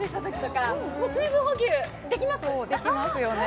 そうできますよね